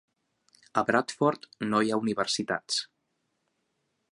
A Bradford no hi ha universitats.